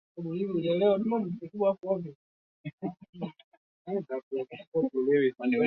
Majengo ya orodha ya Antipater hayakudumu hadi leo